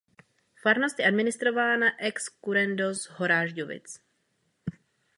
Farnost je administrována ex currendo z Horažďovic.